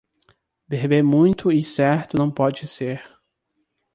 Beber muito e ir certo não pode ser.